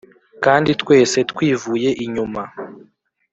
kandi twese twivuye inyuma